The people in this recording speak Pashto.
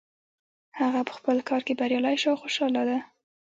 هغه په خپل کار کې بریالی شو او خوشحاله ده